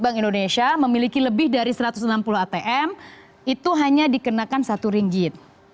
bank indonesia memiliki lebih dari satu ratus enam puluh atm itu hanya dikenakan satu ringgit